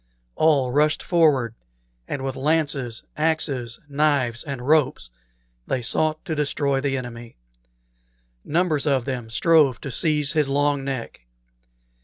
All rushed forward, and with lances, axes, knives, and ropes they sought to destroy the enemy. Numbers of them strove to seize his long neck.